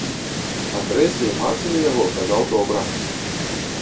А трэслі і мацалі яго, казаў, добра.